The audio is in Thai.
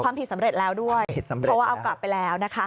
ความผิดสำเร็จแล้วด้วยเพราะว่าเอากลับไปแล้วนะคะ